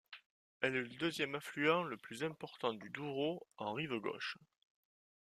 Elle est le deuxième affluent le plus important du Douro en rive gauche.